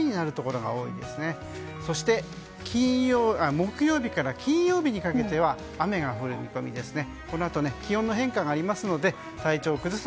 木曜日から金曜日にかけては雨が降る見込みですね。